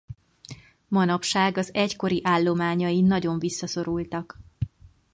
Manapság az egykori állományai nagyon visszaszorultak.